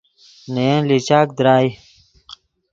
نے ین لیچاک درائے